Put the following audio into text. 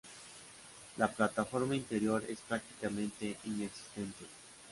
La plataforma interior es prácticamente inexistente.